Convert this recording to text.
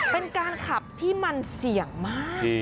เป็นการขับที่มันเสี่ยงมาก